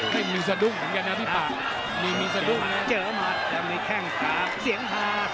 ไม่มีสะดุดเหมือนกันนะพี่ปาก